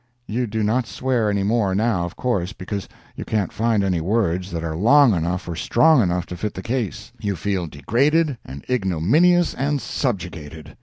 You do not swear any more now, of course, because you can't find any words that are long enough or strong enough to fit the case. You feel degraded and ignominious and subjugated.